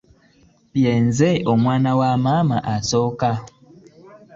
Ye nze mwana wa maama asooka.